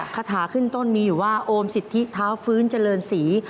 คาถาขึ้นต้นมีอยู่ว่าโอมสิทธิเท้าฟื้นเจริญศรี